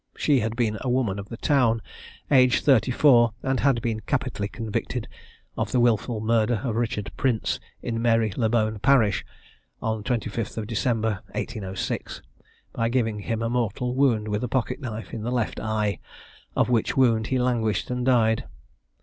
She had been a woman of the town, aged 34, and had been capitally convicted of the wilful murder of Richard Prince, in Mary le bone parish, on the 25th of December 1806, by giving him a mortal wound with a pocket knife in the left eye, of which wound he languished and died.